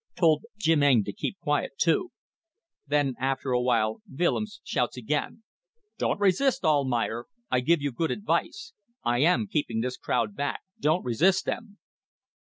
Told Jim Eng to keep quiet too. Then after a while Willems shouts again: 'Don't resist, Almayer. I give you good advice. I am keeping this crowd back. Don't resist them!